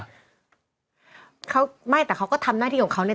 เขาไม่แต่เขาก็ทำหน้าที่ของเขาเนี่ย